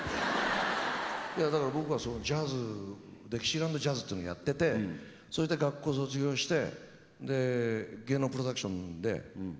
いやだから僕はジャズデキシーランド・ジャズというのやっててそれで学校卒業してで芸能プロダクションでマネージャー。